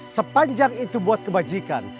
sepanjang itu buat kebajikan